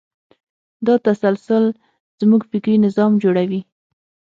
دا تسلسل زموږ فکري نظام جوړوي.